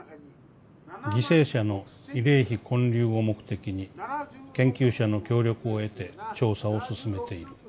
犠牲者の慰霊碑建立を目的に研究者の協力を得て調査を進めている」。